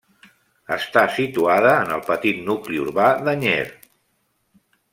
Està situada en el petit nucli urbà de Nyer.